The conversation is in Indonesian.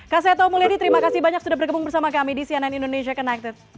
kak seto mulyadi terima kasih banyak sudah bergabung bersama kami di cnn indonesia connected